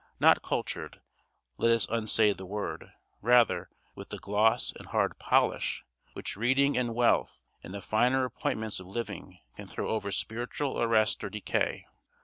Not cultured: let us unsay the word; rather, with the gloss and hard polish which reading and wealth and the finer appointments of living can throw over spiritual arrest or decay.